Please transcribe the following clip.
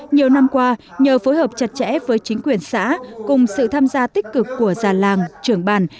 nhiều năm qua nhờ phối hợp chặt chẽ với chính quyền xã cùng sự tham gia tích cực của già làng trưởng bàn